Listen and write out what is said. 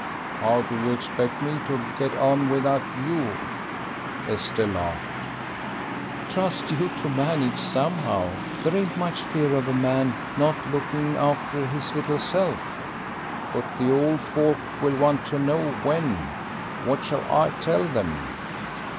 "How do you expect me to get on without you?" Esther laughed. "Trust you to manage somehow. There ain't much fear of a man not looking after his little self." "But the old folk will want to know when. What shall I tell them?"